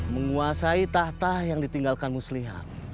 menguasai tahta yang ditinggalkan muslihat